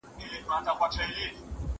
په خپلو وړتیاوو پوره باور ولرئ.